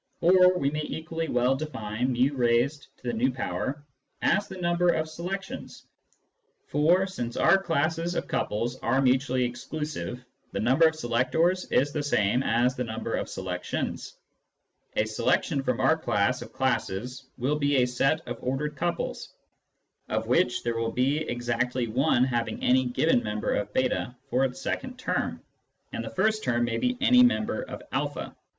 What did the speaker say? Or we may equally well define fi/ as the number of selections, for, since our classes of couples are mutually exclusive, the number of selectors is the same as the number of selections. A selection from our class of classes will be a set of ordered couples, of which there will be exactly one having any given member of /? for its second term, and the first term may be any member of a.